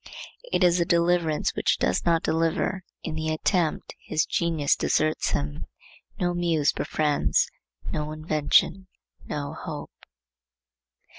It is a deliverance which does not deliver. In the attempt his genius deserts him; no muse befriends; no invention, no hope.